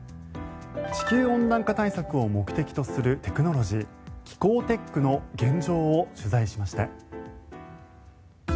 地球温暖化対策を目的とするテクノロジー気候テックの現状を取材しました。